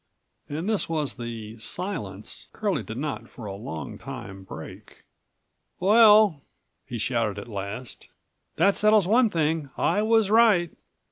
And this was the "silence" Curlie did not for a long time break. "Well!" he shouted at last, "that settles one thing. I was right.